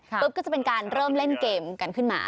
ก็จะเป็นการเริ่มเล่นเกมกันขึ้นมา